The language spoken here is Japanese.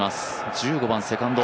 １５番セカンド。